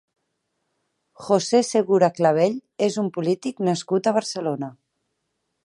José Segura Clavell és un polític nascut a Barcelona.